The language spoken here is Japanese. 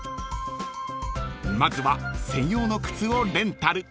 ［まずは専用の靴をレンタル］